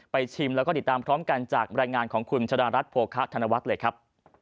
ชิมแล้วก็ติดตามพร้อมกันจากรายงานของคุณชะดารัฐโภคะธนวัฒน์เลยครับ